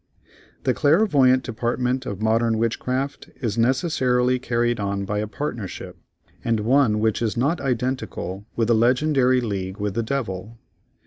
The clairvoyant department of modern witchcraft is necessarily carried on by a partnership, and one which is not identical with the legendary league with the devil.